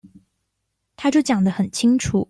他就講得很清楚